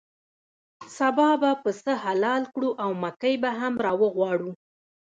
سبا به پسه حلال کړو او مکۍ به هم راوغواړو.